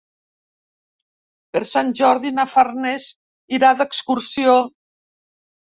Per Sant Jordi na Farners irà d'excursió.